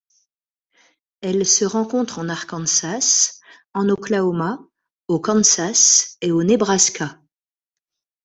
Elle se rencontre en Arkansas, en Oklahoma, au Kansas et au Nebraska.